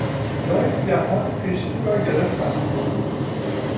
جای نگهبان پیشین را گرفتن